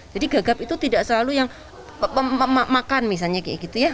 jadi gagap itu tidak selalu yang makan misalnya kayak gitu ya